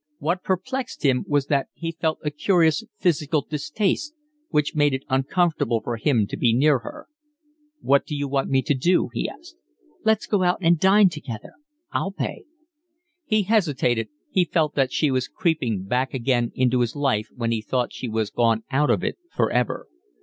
What perplexed him was that he felt a curious physical distaste, which made it uncomfortable for him to be near her. "What do you want me to do?" he asked. "Let's go out and dine together. I'll pay." He hesitated. He felt that she was creeping back again into his life when he thought she was gone out of it for ever.